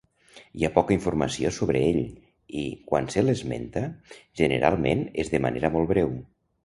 Hi ha poca informació sobre ell i, quan se l'esmenta, generalment és de manera molt breu.